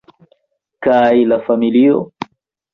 Kaj la familio?